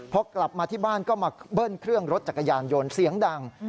พอกลับมาที่บ้านก็มาเบิ้ลเครื่องรถจักรยานยนต์เสียงดัง